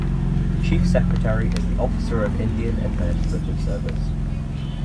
The Chief Secretary is the officer of Indian Administrative Service.